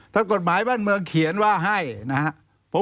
ถ้ากฎหมายบ้านเมืองเขียนว่าให้นะครับ